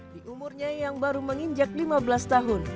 di umurnya yang baru menginjak lima belas tahun